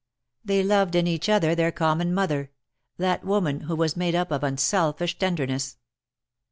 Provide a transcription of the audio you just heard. They loved in each other their common mother — that woman who was made up of unselfish tenderness.